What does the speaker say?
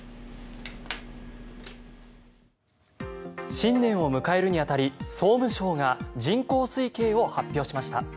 新年を迎えるに当たり総務省が人口推計を発表しました。